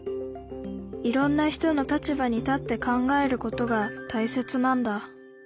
いろんな人の立場に立って考えることが大切なんだ